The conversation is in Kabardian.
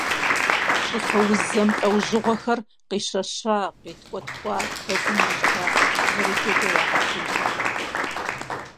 ЩӀыфэ уз зэмылӀэужьыгъуэхэр - къищэща, къиткӀуэткӀуа, бэгум ищта, зэрыджэкӀэ ягъэхъуж.